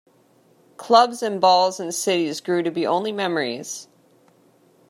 Clubs and balls and cities grew to be only memories.